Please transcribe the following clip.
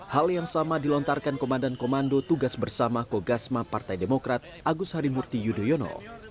hal yang sama dilontarkan komandan komando tugas bersama kogasma partai demokrat agus harimurti yudhoyono